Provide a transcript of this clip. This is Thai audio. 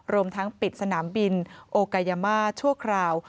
รวมทั้งปิดสนามบินโอกายามาชั่วคราว